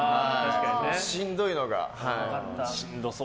しんどいのが。